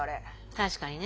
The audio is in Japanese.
確かにね。